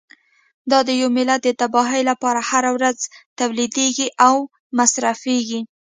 دا د یوه ملت د تباهۍ لپاره هره ورځ تولیدیږي او مصرفیږي.